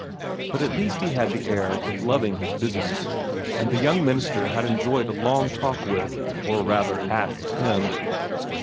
But at least he had the air of loving his business, and the young minister had enjoyed a long talk with, or rather, at him.